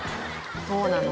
そうなの。